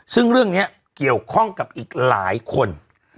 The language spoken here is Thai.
ซึ่งเรื่องนี้เกี่ยวข้องกับอีกหลายคน